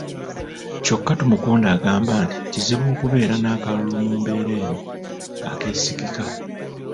Kyokka Tumukunde agamba nti kizibu okubeera n'akalulu mu mbeera eno akeesigika.